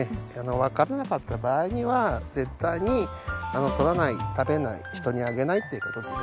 わからなかった場合には絶対に採らない食べない人にあげないという事をですね